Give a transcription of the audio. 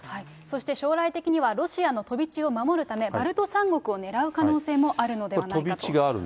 そして将来的にはロシアの飛び地を守るため、バルト三国を狙う可能性もあるのではないかと。